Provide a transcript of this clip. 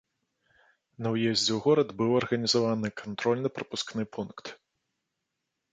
На ўездзе ў горад быў арганізаваны кантрольна-прапускны пункт.